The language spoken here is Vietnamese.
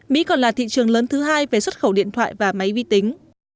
mỹ còn là thị trường lớn thứ hai về xuất khẩu điện thoại và máy vi tính